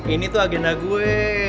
ini tuh agenda gue